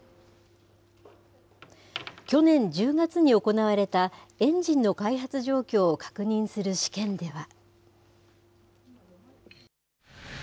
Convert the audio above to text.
去年１０月に行われたエンジンの開発状況を確認する試験では。